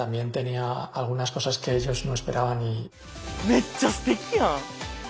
めっちゃすてきやん。